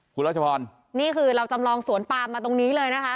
คุณรัชพรนี่คือเราจำลองสวนปามมาตรงนี้เลยนะคะ